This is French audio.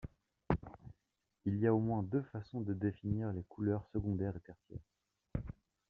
Il y a au moins deux façons de définir les couleurs secondaires et tertiaires.